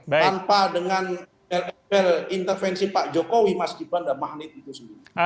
tanpa dengan lp intervensi pak jokowi mas gibran dan magnet itu sendiri